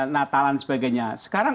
natalan dan sebagainya sekarang